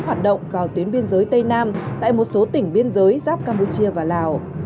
hoạt động vào tuyến biên giới tây nam tại một số tỉnh biên giới giáp campuchia và lào